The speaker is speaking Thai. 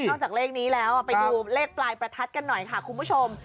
จากเลขนี้แล้วไปดูเลขปลายประทัดกันหน่อยค่ะคุณผู้ชม